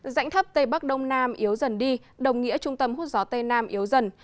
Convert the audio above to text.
rãnh thấp tây bắc đông nam yếu dần đi đồng nghĩa trung tâm hút gió tây nam yếu dần